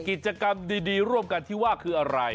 กิจกรรมดีร่วมกันที่ว่าคืออะไร